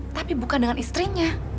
tapi bukan dengan istrinya